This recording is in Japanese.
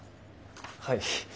はい。